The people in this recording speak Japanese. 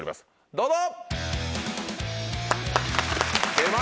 どうぞ。